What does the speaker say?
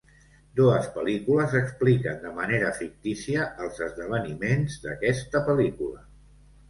Dues pel·lícules expliquen de manera fictícia els esdeveniments d'aquesta pel·lícula.